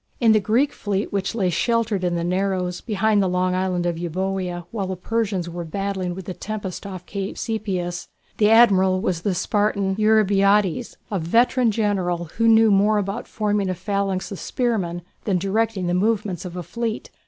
In the Greek fleet which lay sheltered in the narrows, behind the long island of Euboea while the Persians were battling with the tempest off Cape Sepias, the Admiral was the Spartan Eurybiades, a veteran General, who knew more about forming a phalanx of spearmen than directing the movements of a fleet.